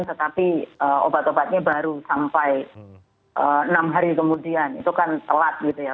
tetapi obat obatnya baru sampai enam hari kemudian itu kan telat gitu ya